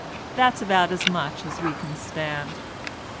That's about as much as we can stand.